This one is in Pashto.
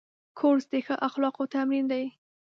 کورس د ښو اخلاقو تمرین دی.